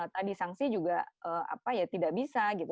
tadi sanksi juga tidak bisa gitu